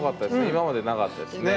今までなかったですね。